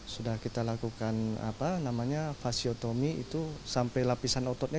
sudah kita lakukan apa namanya fasiotomi itu sampai lapisan ototnya